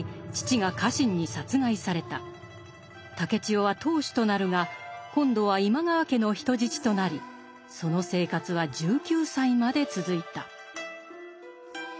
竹千代は当主となるが今度は今川家の人質となりその生活は１９歳まで続いた。